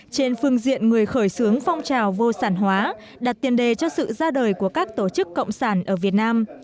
trên phương diện người khởi xướng phong trào vô sản hóa đặt tiền đề cho sự ra đời của các tổ chức cộng sản ở việt nam